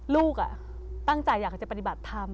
ลูกตั้งใจอยากจะปฏิบัติธรรม